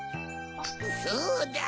そうだ！